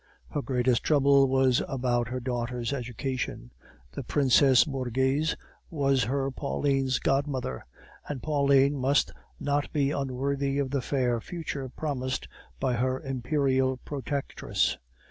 Her greatest trouble was about her daughter's education; the Princess Borghese was her Pauline's godmother; and Pauline must not be unworthy of the fair future promised by her imperial protectress.